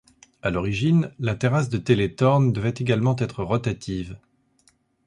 À l'origine, la terrasse de Teletorn devait également être rotative.